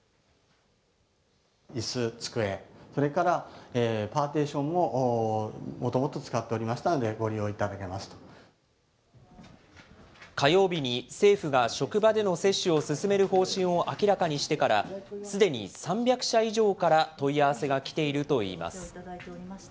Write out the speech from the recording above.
いす、机、それからパーテーションももともと使っておりましたので、ご利用火曜日に、政府が職場での接種を進める方針を明らかにしてから、すでに３００社以上から問い合わせが来ているといいます。